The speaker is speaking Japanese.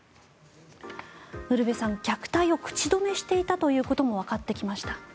ウルヴェさん、虐待を口止めしていたということもわかってきました。